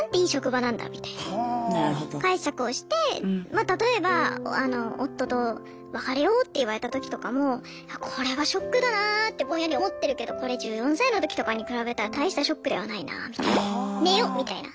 まあ例えば夫と別れようって言われた時とかもこれはショックだなってぼんやり思ってるけどこれ１４歳の時とかに比べたら大したショックではないなみたいな寝よみたいな。